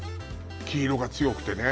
黄色が強くてね